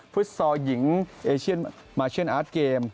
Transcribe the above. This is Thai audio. ฟุตซอลหญิงเอเชียนมาเชียนอาร์ตเกม